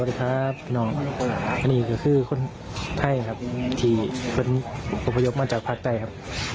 สวัสดีครับนอนี่คือคุณไทยครับที่เป็นบุพยกมาจากพักใจครับ